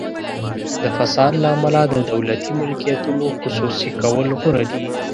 د فساد له امله د دولتي ملکیتونو خصوصي کول غوره دي.